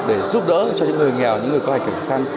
để giúp đỡ cho những người nghèo những người có hành trình khó khăn